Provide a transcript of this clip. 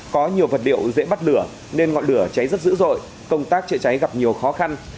có nhiều vật liệu dễ bắt lửa nên ngọn lửa cháy rất dữ dội công tác chữa cháy gặp nhiều khó khăn